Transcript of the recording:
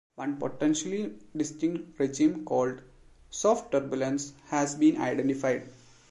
One potentially distinct regime called "soft turbulence" has been identified.